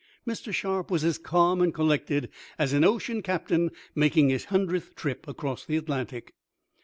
Mr. Sharp was as calm and collected as an ocean captain making his hundredth trip across the Atlantic.